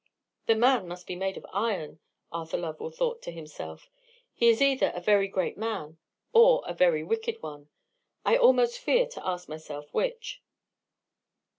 "The man must be made of iron," Arthur Lovell thought to himself. "He is either a very great man, or a very wicked one. I almost fear to ask myself which."